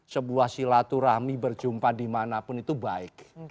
sebuah silaturahmi berjumpa dimanapun itu baik